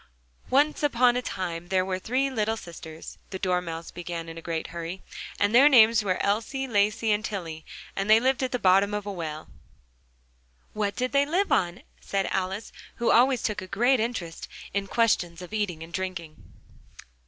"Once upon a time there were three little sisters," the Dormouse began in a great hurry, "and their names were Elsie, Lacie, and Tillie; and they lived at the bottom of a well " "What did they live on?" said Alice, who always took a great interest in questions of eating and drinking.